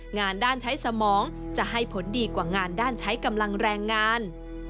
งานด้านใช้สมองจะให้ผลดีกว่างานด้านใช้กำลังแรงงาน